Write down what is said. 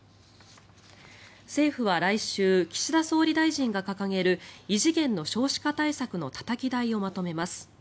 政府は来週岸田総理大臣が掲げる異次元の少子化対策のたたき台をまとめます。